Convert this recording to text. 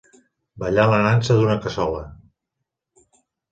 Ballar la nansa d'una cassola.